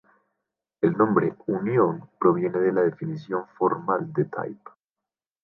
El nombre "unión" proviene de la definición formal de type.